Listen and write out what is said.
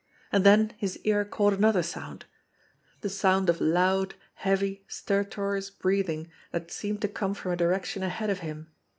And then his ear caught another sound the sound of loud, heavy, stertorous breathing that seemed to come from a direction ahead of him.